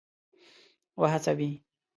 وهڅوي.